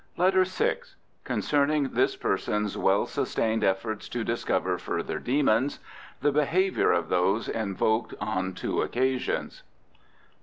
LETTER VI Concerning this person's well sustained efforts to discover further demons. The behaviour of those invoked on two occasions.